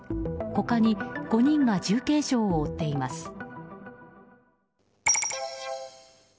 他に５人が重軽傷を負っています。